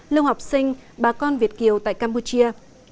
lưu học sinh bà con việt kiều tại campuchia